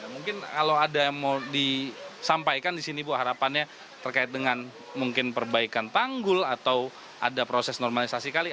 mungkin kalau ada yang mau disampaikan di sini bu harapannya terkait dengan mungkin perbaikan tanggul atau ada proses normalisasi kali